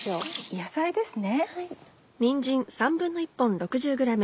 野菜ですね。